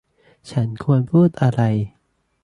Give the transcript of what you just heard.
ฉันควรพูดอะไร